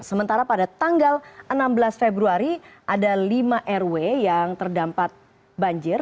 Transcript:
sementara pada tanggal enam belas februari ada lima rw yang terdampak banjir